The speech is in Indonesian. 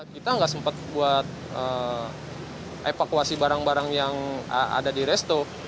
kita nggak sempat buat evakuasi barang barang yang ada di resto